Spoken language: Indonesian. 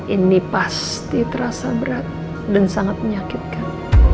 ini pasti terasa berat dan sangat menyakitkan